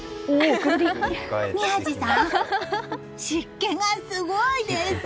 宮司さん、湿気がすごいです！